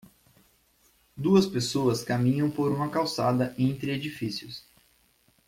Duas pessoas caminham por uma calçada entre edifícios.